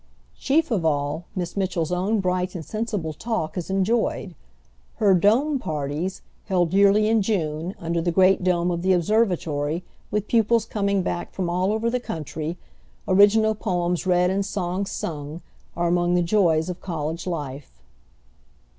Chief of all, Miss Mitchell's own bright and sensible talk is enjoyed. Her "dome parties," held yearly in June, under the great dome of the observatory, with pupils coming back from all over the country, original poems read and songs sung, are among the joys of college life.